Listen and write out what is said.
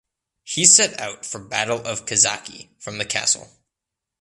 He set out for Battle of Kizaki from the castle.